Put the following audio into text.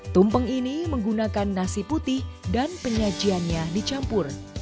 tumpeng ini menggunakan nasi putih dan penyajiannya dicampur